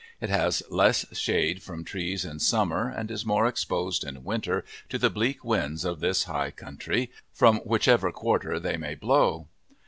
It has less shade from trees in summer and is more exposed in winter to the bleak winds of this high country, from whichever quarter they may blow.